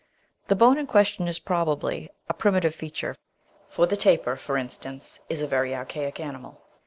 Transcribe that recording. The bone in question is probably a primitive feature, for the Tapir, for instance, is a very archaic mammal.